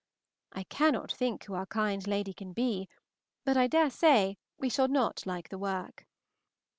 I cannot think who our kind lady can be, but I dare say we shall not like the work.